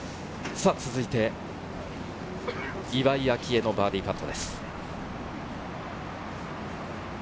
続いて、岩井明愛のバーディーパットです。